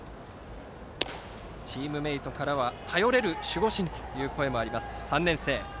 チームメイトからは頼れる守護神との声があります。